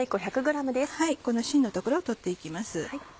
このしんの所を取って行きます。